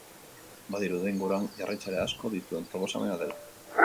Badirudi inguruan jarraitzaile asko dituen proposamena dela.